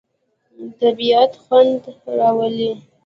طبیعت خوند راوړي.